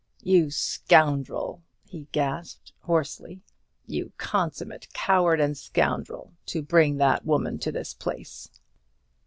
"You scoundrel!" he gasped, hoarsely, "you consummate coward and scoundrel, to bring that woman to this place!"